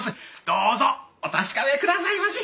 どうぞお確かめ下さいまし。